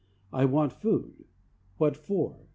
I want food. What for?